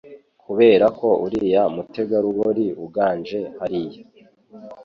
kuberako uriya mutegarugori uganje hariya